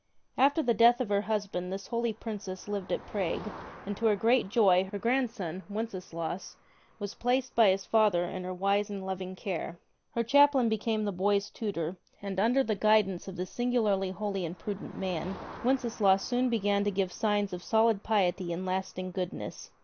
After the death of her husband this holy princess lived at Prague, and, to her great joy, her grandson Wenceslaus was placed by his father in her wise and loving care. Her chaplain became the boy's tutor, and under the guidance of this singularly holy and prudent man Wenceslaus soon began to give signs of solid piety and lasting goodness.